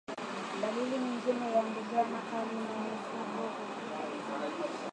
Dalili nyingine ya ndigana kali ni mfugo kupungukiwa na damu